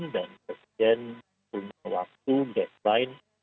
dan presiden punya waktu deadline